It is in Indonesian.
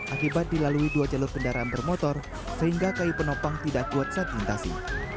akibat dilalui dua jalur kendaraan bermotor sehingga kayu penopang tidak kuat saat dilintasi